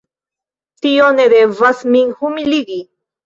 Tio ne devas min humiligi!